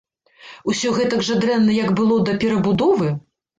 Усё гэтак жа дрэнна, як было да перабудовы?